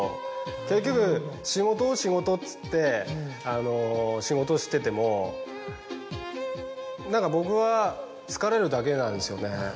結局仕事仕事っつって仕事してても何か僕は疲れるだけなんですよね。